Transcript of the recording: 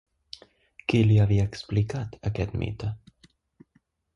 Qui li havia explicat aquest mite?